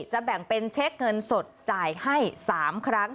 จะแบ่งเป็นเช็คเงินสดจ่ายให้๓ครั้ง